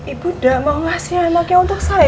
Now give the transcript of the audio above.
ibu nggak mau kasih anaknya untuk saya